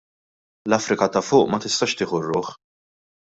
L-Afrika ta' Fuq ma tistax tieħu r-ruħ.